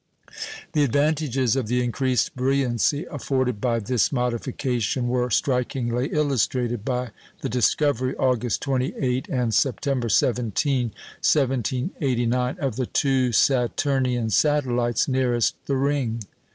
The advantages of the increased brilliancy afforded by this modification were strikingly illustrated by the discovery, August 28 and September 17, 1789, of the two Saturnian satellites nearest the ring.